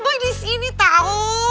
boy disini tau